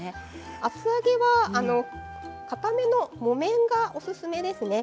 厚揚げはかための木綿がおすすめですね。